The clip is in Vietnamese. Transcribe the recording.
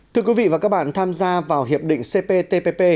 thưa quý vị và các bạn tham gia vào hiệp định cptpp